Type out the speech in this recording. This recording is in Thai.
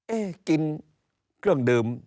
เอ๊ะกินเครื่องดื่ม